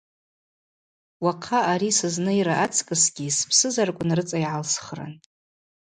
Уахъа ари сызныйра ацкӏысгьи спсызарквын рыцӏа йгӏалсхрын.